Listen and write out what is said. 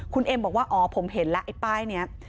คุณเอ็มบอกว่าอ๋อผมเห็นแล้วไอ้ป้ายนี้